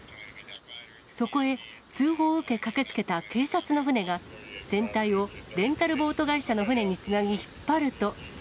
そこへ、通報を受け駆けつけた警察の船が、船体をレンタルボート会社の船につなぎ引っ張ると。